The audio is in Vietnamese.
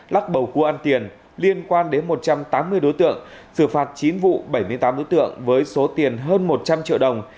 lắc bầu cua ăn tiền liên quan đến một trăm tám mươi đối tượng xử phạt chín vụ bảy mươi tám đối tượng với số tiền hơn một trăm linh triệu đồng